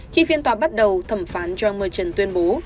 khi phiên tòa bắt đầu thẩm phán john munton tuyên bố